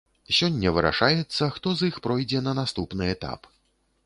Сёння вырашаецца, хто з іх пройдзе на наступны этап.